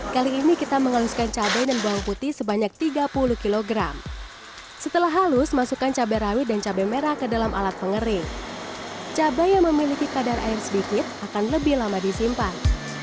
kali ini kita menghaluskan cabai dan bawang putih sebanyak tiga puluh kg setelah halus masukkan cabai rawit dan cabai merah ke dalam alat pengering cabai yang memiliki kadar air sedikit akan lebih lama disimpan